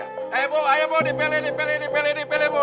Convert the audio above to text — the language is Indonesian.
ayo bu ayo bu dipilih dipilih dipilih dipilih dipilih dipilih